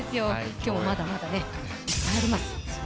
今日もまだまだいっぱいあります。